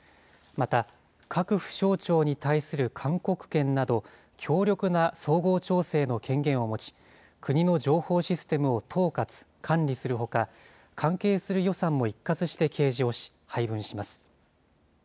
また、各府省庁に対する勧告権など、強力な総合調整の権限を持ち、国の情報システムを統括・監理するほか、関係する予算も一括して計上し、配分します。